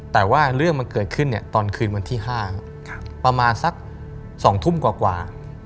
แต่ว่าเรื่องมันเกิดขึ้นตอนคืนวันที่๕ประมาณสัก๒ทุ่มกว่า